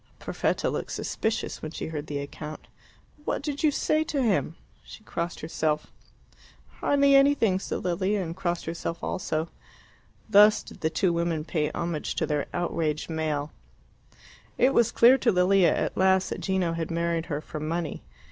Perfetta looked suspicious when she heard the account. "What did you say to him?" She crossed herself. "Hardly anything," said Lilia and crossed herself also. Thus did the two women pay homage to their outraged male. It was clear to Lilia at last that Gino had married her for money.